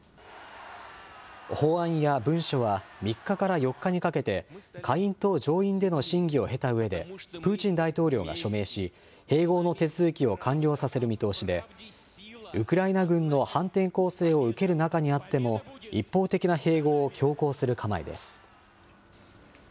法案や文書は３日から４日にかけて、下院と上院での審議を経たうえで、プーチン大統領が署名し、併合の手続きを完了させる見通しで、ウクライナ軍の反転攻勢を受ける中にあっても、一方的な併合を強行する構えです。